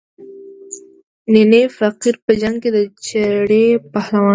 نینی فقیر په جنګ کې د چړې پهلوان دی.